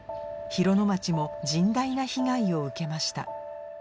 広野町も甚大な被害を受けました